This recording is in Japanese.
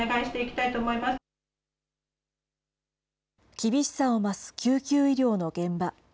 厳しさを増す救急医療の現場。